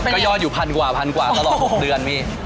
ก็ยอดอยู่พันธุ์กว่าทะลอง๖เดือนพี่